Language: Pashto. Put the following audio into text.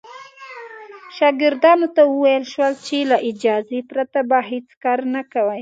شاګردانو ته وویل شول چې له اجازې پرته به هېڅ کار نه کوي.